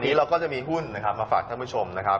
วันนี้เราก็จะมีหุ้นนะครับมาฝากท่านผู้ชมนะครับ